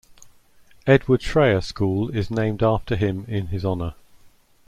Edward Schreyer School is named after him in his honour.